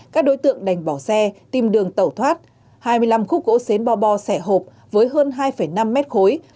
các đối tượng đành bỏ xe tìm đường tẩu thoát hai mươi năm khúc gỗ xến bo xẻ hộp với hơn hai năm mét khối